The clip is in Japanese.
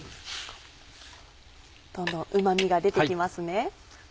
どんどんうま味が出てきますね。